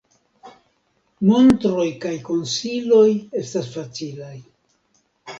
Montroj kaj konsiloj estas facilaj.